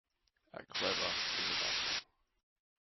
A "cleva "is an offering.